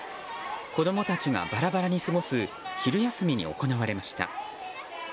子供たちがバラバラに過ごす昼休みに行われました。